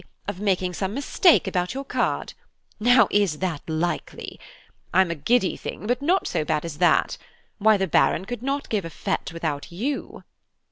of making some mistake about your card. Now is that likely? I'm a giddy thing, but not so bad as that. Why the Baron could not give a fête without you."